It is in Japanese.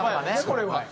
これは。